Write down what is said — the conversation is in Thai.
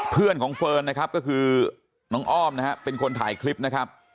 เพื่อนของเฟิร์นนะครับก็คือน้องอ้อมนะฮะเป็นคนถ่ายคลิปนะครับ